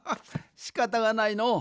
しかたがないのう。